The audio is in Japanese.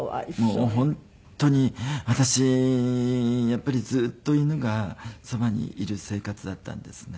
もう本当に私やっぱりずっと犬がそばにいる生活だったんですね。